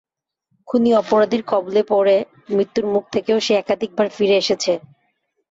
খুনী অপরাধীর কবলে পড়ে, মৃত্যুর মুখ থেকেও সে একাধিকবার ফিরে এসেছে।